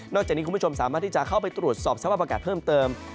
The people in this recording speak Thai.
จากนี้คุณผู้ชมสามารถที่จะเข้าไปตรวจสอบสภาพอากาศเพิ่มเติม